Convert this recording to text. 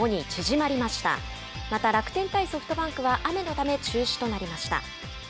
また楽天対ソフトバンクは雨のため中止となりました。